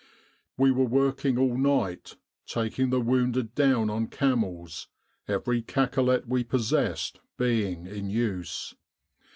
We were working all night, taking the wounded down on camels, every cacolet we possessed being in use.